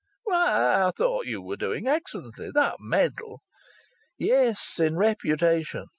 "Why! I thought you were doing excellently. That medal " "Yes. In reputation.